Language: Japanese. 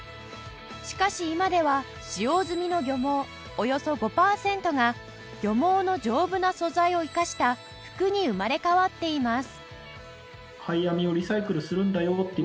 しかし今では使用済みの漁網およそ５パーセントが漁網の丈夫な素材を生かした服に生まれ変わっています